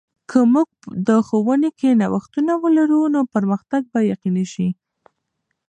که موږ د ښوونې کې نوښتونه ولرو، نو پرمختګ به یقیني سي.